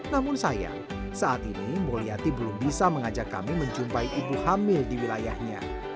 namun sayang saat ini mulyati belum bisa mengajak kami menjumpai ibu hamil di wilayahnya